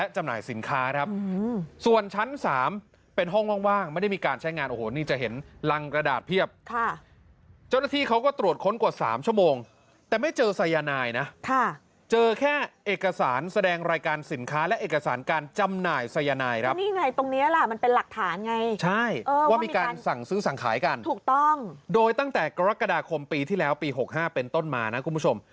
ใช้งานโอ้โหนี่จะเห็นรังกระดาษเพียบค่ะเจ้าหน้าที่เขาก็ตรวจค้นกว่าสามชั่วโมงแต่ไม่เจอไซยานายนะค่ะเจอแค่เอกสารแสดงรายการสินค้าและเอกสารการจำหน่ายไซยานายครับนี่ไงตรงนี้ล่ะมันเป็นหลักฐานไงใช่เออว่ามีการสั่งซื้อสั่งขายกันถูกต้องโดยตั้งแต่กรกฎาคมปีที่แล้วปีหกห้